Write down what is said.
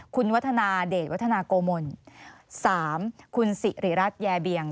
๒คุณวัฒนาเดชวัฒนากโมน๓คุณศรีรัชแย่เบียง